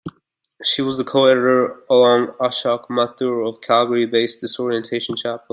She was the co-editor, along with Ashok Mathur, of Calgary-based DisOrientation Chapbooks.